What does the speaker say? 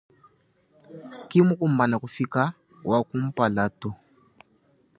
Kimukumbana kufika wakumpala to.